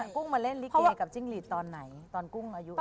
กุ้งมาเล่นลิเกกับจิ้งหลีดตอนไหนตอนกุ้งอายุ